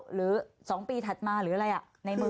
หรือ๒ปีถัดมาหรืออะไรในมือ